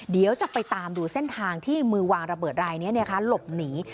เดี๋ยวจะไปตามดูเส้นทางที่มือวางระเบิดรายนี้หลบหนี